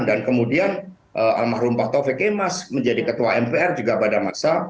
dan kemudian almarhum pak tove kemas menjadi ketua mpr juga pada masa